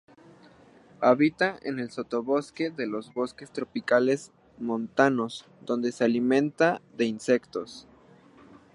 Habita en el sotobosque de los bosques tropicales montanos, donde se alimenta de insectos.